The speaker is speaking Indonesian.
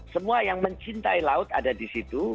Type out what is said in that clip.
semua yang mencintai laut ada di situ